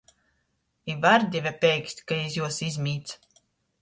I vardive peikst, ka iz juos izmīdz.